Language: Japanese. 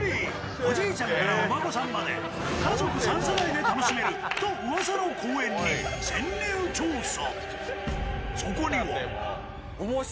おじいちゃんからお孫さんまで家族３世代で楽しめるとうわさの公園に潜入調査。